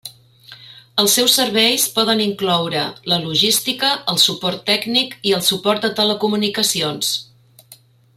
Els seus serveis poden incloure: la logística, el suport tècnic, i el suport de telecomunicacions.